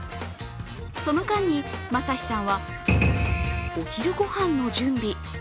その間にまさしさんはお昼ごはんの準備。